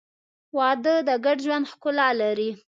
• واده د ګډ ژوند ښکلا لري.